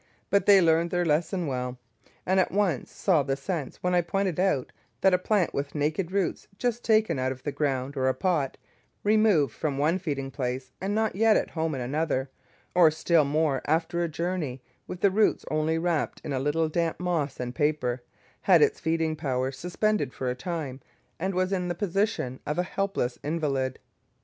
But they learned their lesson well, and at once saw the sense when I pointed out that a plant with naked roots just taken out of the ground or a pot, removed from one feeding place and not yet at home in another, or still more after a journey, with the roots only wrapped in a little damp moss and paper, had its feeding power suspended for a time, and was in the position of a helpless invalid.